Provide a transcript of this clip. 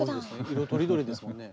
色とりどりですもんね。